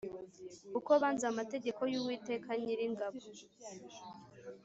kuko banze amategeko y Uwiteka Nyiringabo